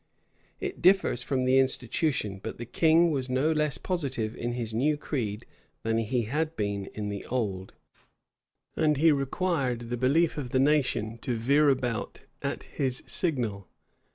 It differs from the Institution;[*] but the king was no less positive in his new creed than he had been in the old; and he required the belief of the nation to veer about at his signal.